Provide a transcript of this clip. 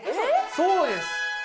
そうです！